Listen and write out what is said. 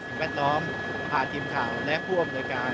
แวดล้อมพาทีมข่าวและผู้อำนวยการ